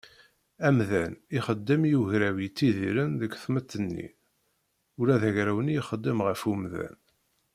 Amdan ixeddem i ugraw yettidiren deg tmett-nni, ula d agraw-nni ixeddem ɣef umdan.